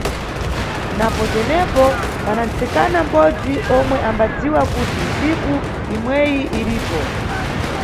Napo tenepo, pana nʼtsikana mʼbodzi omwe ambadziwa kuti ntsiku imweyi iripo.